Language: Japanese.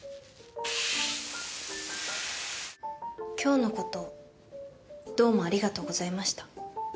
今日の事どうもありがとうございました。